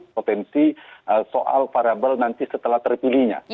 potensi soal variable nanti setelah terpilihnya